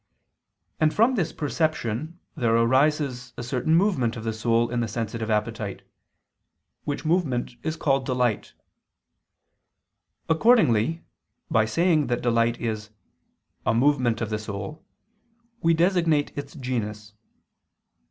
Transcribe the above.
And from this perception there arises a certain movement of the soul in the sensitive appetite; which movement is called delight. Accordingly by saying that delight is "a movement of the soul," we designate its genus.